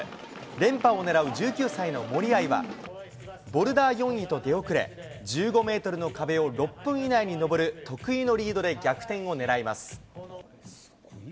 連覇を狙う１９歳の森秋彩は、ボルダー４位と出遅れ、１５メートルの壁を６分以内に登る得意のリードで逆転を狙います。